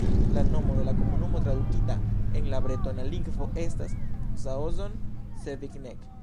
La nomo de la komunumo tradukita en la bretona lingvo estas "Saozon-Sevigneg".